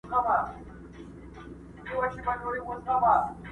ما سپارلی د هغه مرستي ته ځان دی!!